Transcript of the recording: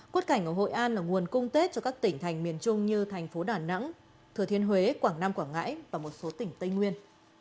quất cảnh ở hội an là nguồn cung tết cho các tỉnh thành miền trung như thành phố đà nẵng thừa thiên huế quảng nam quảng ngãi và một số tỉnh tây nguyên